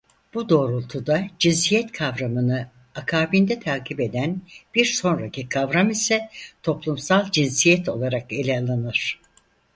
Bu doğrultuda cinsiyet kavramını akabinde takip eden bir sonraki kavram ise toplumsal cinsiyet olarak ele alınır.